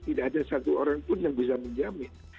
tidak ada satu orang pun yang bisa menjamin